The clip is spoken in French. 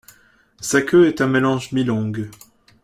Sa queue est un mélange mi-longue.